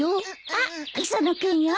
・あっ磯野君よ。